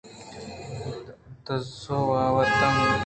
دُزّ ءَ وَ تتک